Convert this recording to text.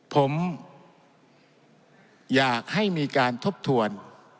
ผมอยากให้มีการทบทวน